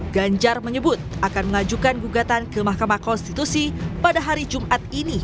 ganjar menyebut akan mengajukan gugatan ke mahkamah konstitusi pada hari jumat ini